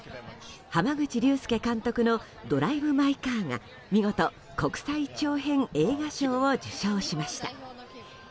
濱口竜介監督の「ドライブ・マイ・カー」が見事、国際長編映画賞を受賞しました。